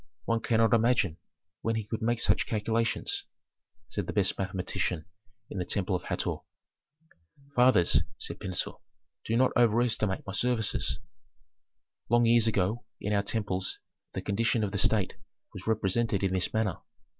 One cannot imagine when he could make such calculations," said the best mathematician in the temple of Hator. "Fathers," said Pentuer, "do not overestimate my services. Long years ago in our temples the condition of the state was represented in this manner.